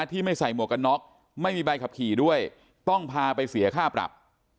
ที่ไม่ใส่หมวกกันน็อกไม่มีใบขับขี่ด้วยต้องพาไปเสียค่าปรับ